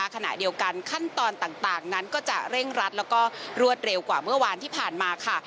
ขณะเดียวกันขั้นตอนต่างนั้นก็จะเร่งรัดแล้วก็รวดเร็วกว่าเมื่อวานที่ผ่านมาค่ะ